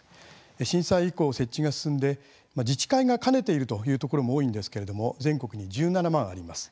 震災以降、設置が進んで自治会が兼ねているというところも多いんですけれども全国に１７万あります。